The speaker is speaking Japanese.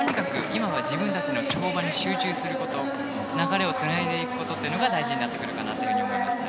今は自分たちの跳馬に集中すること流れをつないでいくことが大事になってくるかなと思います。